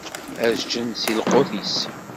Ad ččen si lqut-is.